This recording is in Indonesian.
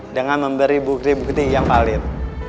dengan memberi bukti bukti yang valid